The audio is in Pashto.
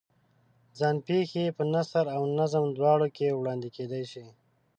ځان پېښې په نثر او نظم دواړو کې وړاندې کېدای شي.